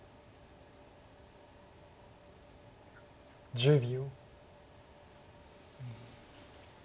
１０秒。